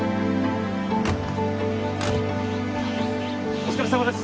お疲れさまです。